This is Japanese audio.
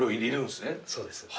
そうです。